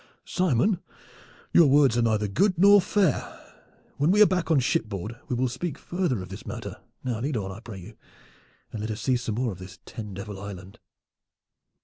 "Simon, your words are neither good nor fair. When we are back on shipboard we will speak further of this matter. Now lead on, I pray you, and let us see some more of this ten devil island."